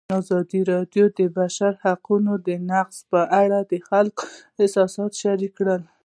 ازادي راډیو د د بشري حقونو نقض په اړه د خلکو احساسات شریک کړي.